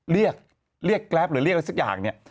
เรียกเรียกแกรปหรือเรียกอะไรสักอย่างเนี่ย